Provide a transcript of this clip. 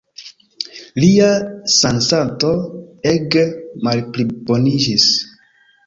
Lia sanstato ege malpliboniĝis.